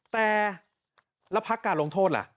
แต่แล้วพักการลงโทษล่ะ